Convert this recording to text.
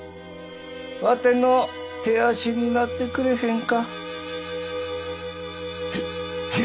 わての手足になってくれへんか？へへい。